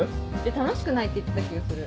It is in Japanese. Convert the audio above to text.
楽しくないって言ってた気がする。